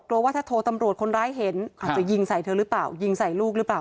ว่าถ้าโทรตำรวจคนร้ายเห็นอาจจะยิงใส่เธอหรือเปล่ายิงใส่ลูกหรือเปล่า